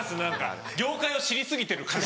業界を知り過ぎてる感じ。